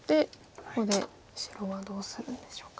ここで白はどうするんでしょうか。